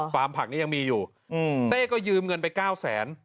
ฟาร์มผักนี้ยังมีอยู่อืมเต้ก็ยืมเงินไปเก้าแสน